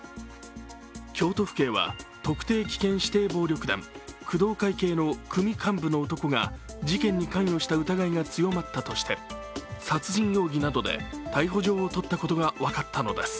京都府警は、特定危険指定暴力団・工藤会系の組幹部の男が事件に関与した疑いが強まったとして殺人容疑などで逮捕状を取ったことが分かったのです。